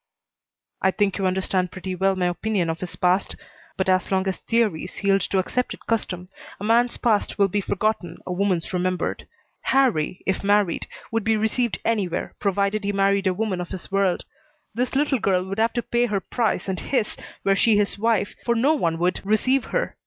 "I think you understand pretty well my opinion of his past. But as long as theories yield to accepted custom a man's past will be forgotten, a woman's remembered. Harrie, if married, would be received anywhere, provided he married a woman of his world. This little girl would have to pay her price and his, were she his wife, for no one would receive her.